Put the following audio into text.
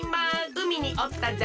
うみにおったぞ。